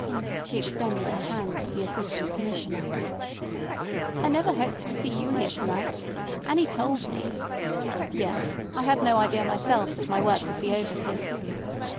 She extended her hand to the Assistant Commissioner. "I never hoped to see you here to night. Annie told me—" "Yes. I had no idea myself that my work would be over so soon."